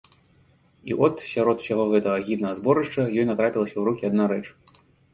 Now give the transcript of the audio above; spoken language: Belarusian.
І от, сярод усяго гэтага агіднага зборышча, ёй натрапілася ў рукі адна рэч.